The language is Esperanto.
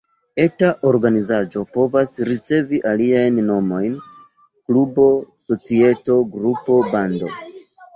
Eta organizaĵo povas ricevi aliajn nomojn: klubo, societo, grupo, bando.